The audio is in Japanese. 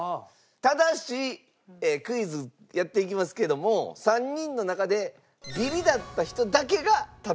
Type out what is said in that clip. ただしクイズやっていきますけども３人の中でビリだった人だけが食べられないという。